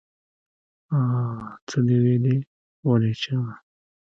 آ څه دې وويلې ولې چا.